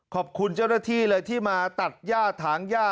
ขอบคุณเจ้าหน้าที่เลยที่มาตัดย่าถางย่า